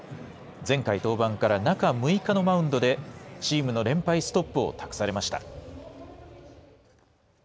前回登板から中６日のマウンドで、チームの連敗ストップを託されました。